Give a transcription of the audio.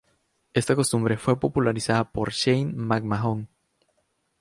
Esta costumbre fue popularizada por Shane McMahon.